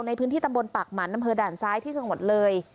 ในพื้นที่ตำบลปากหมันอำเภอด่านซ้ายที่จังหวัดเลย